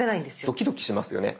ドキドキしますよね。